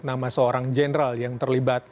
nama seorang jenderal yang terlibat